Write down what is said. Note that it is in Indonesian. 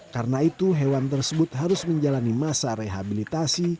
karena itu hewan tersebut harus menjalani masa rehabilitasi